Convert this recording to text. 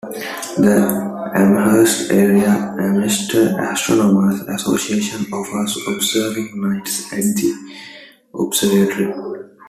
The Amherst Area Amateur Astronomers Association offers observing nights at the Observatory.